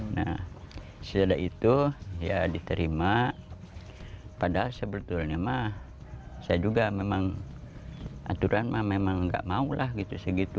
nah sesudah itu ya diterima padahal sebetulnya mah saya juga memang aturan mah memang nggak mau lah gitu segitu